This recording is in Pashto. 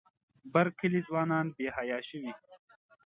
بر کلي ځوانان بې حیا شوي.